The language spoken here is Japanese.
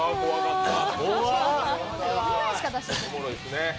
おもろいですね。